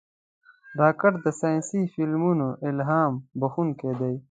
راکټ د ساینسي فلمونو الهام بښونکی دی